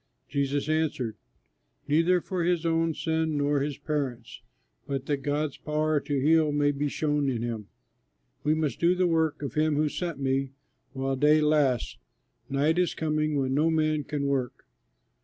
Jesus answered, "Neither for his own sin nor his parents', but that God's power to heal may be shown in him. We must do the work of him who sent me while day lasts; night is coming when no man can work.